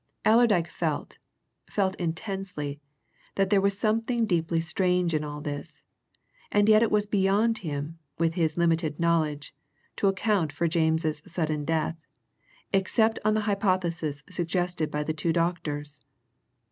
Allerdyke felt felt intensely that there was something deeply strange in all this, and yet it was beyond him, with his limited knowledge, to account for James's sudden death, except on the hypothesis suggested by the two doctors.